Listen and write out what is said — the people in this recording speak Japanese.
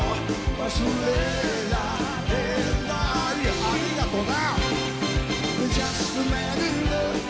ありがとな。